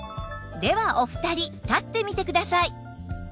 ではお二人立ってみてください